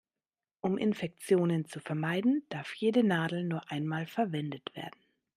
Um Infektionen zu vermeiden, darf jede Nadel nur einmal verwendet werden.